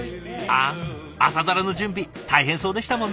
あ「朝ドラ」の準備大変そうでしたもんね。